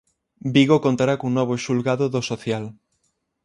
Vigo contará cun novo xulgado do Social.